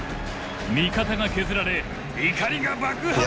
味方が削られ怒りが爆発！